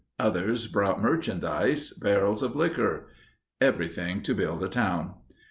Others brought merchandise, barrels of liquor. Everything to build a town.